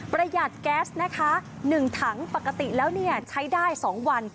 ประหยัดแก๊สนะคะ๑ถังปกติแล้วใช้ได้๒วัน